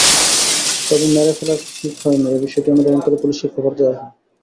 তবে মেরে ফেলা ঠিক হয়নি—এ বিষয়টি অনুধাবন করে পুলিশকে খবর দেওয়া হয়।